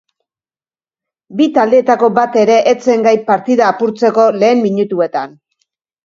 Bi taldeetako bat ere ez zen gai partida apurtzeko lehen minutuetan.